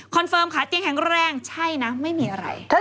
เฟิร์มขาเตียงแข็งแรงใช่นะไม่มีอะไร